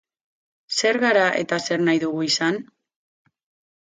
Zer gara eta zer nahi dugu izan?